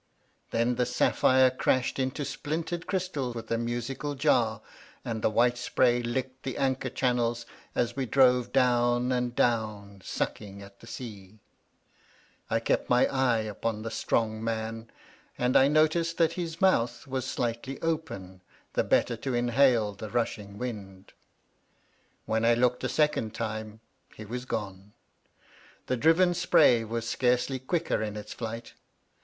Then the sapphire crashed into splintered crystal with a musical jar, and the white spray licked the anchor channels as we drove down and down, sucking at the sea. I kept my eye upon the strong man, and J no ABAFT THE FUNNEL ticed that his mouth was slightly open, the better to inhale the rushing wind. When I looked a second time he was gone. The driven spray was scarcely quicker in its flight.